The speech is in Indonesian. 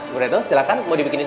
bu retno silahkan mau dibikin istri